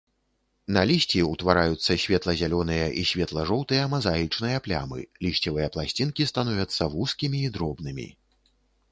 На лісці ўтвараюцца светла-зялёныя і светла-жоўтыя мазаічныя плямы, лісцевыя пласцінкі становяцца вузкімі і дробнымі.